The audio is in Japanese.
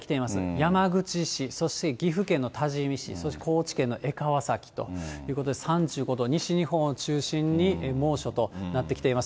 山口市、そして岐阜県の多治見市、そして高知県の江川崎ということで、３５度、西日本を中心に猛暑となってきています。